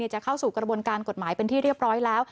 จะเข้าสู่กระบวนการกฎหมายเป็นที่เรียบร้อยแล้ว